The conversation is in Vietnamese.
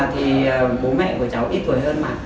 thì bố mẹ của cháu ít tuổi hơn mà